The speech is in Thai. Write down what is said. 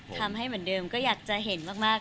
ทำให้เหมือนเดิมก็อยากจะเห็นมาก